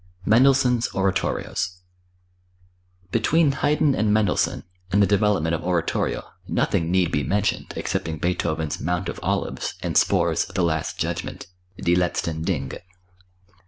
Mendelssohn's Oratorios. Between Haydn and Mendelssohn, in the development of oratorio, nothing need be mentioned, excepting Beethoven's "Mount of Olives" and Spohr's "The Last Judgment" (Die Letzten Dinge).